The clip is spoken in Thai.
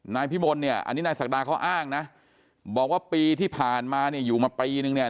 นายพิมลเนี่ยอันนี้นายศักดาเขาอ้างนะบอกว่าปีที่ผ่านมาเนี่ยอยู่มาปีนึงเนี่ย